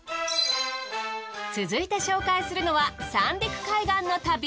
続いて紹介するのは三陸海岸の旅。